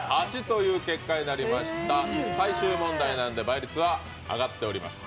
最終問題なんで倍率は上がっております。